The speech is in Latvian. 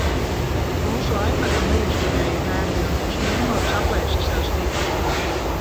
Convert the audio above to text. Mūsu ipadam neizturēja nervi un viņš ņēma un saplēsa sev stiklu.